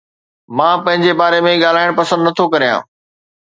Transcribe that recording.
مان پنهنجي باري ۾ ڳالهائڻ پسند نٿو ڪريان